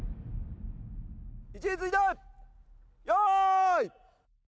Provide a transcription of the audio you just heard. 位置について用意。